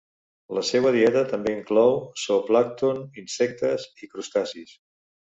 La seua dieta també inclou zooplàncton, insectes i crustacis.